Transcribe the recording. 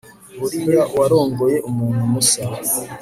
buriya warongoye umuntu musa